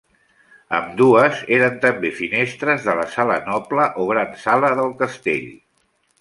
Ambdues eren també finestres de la sala noble o gran sala del castell.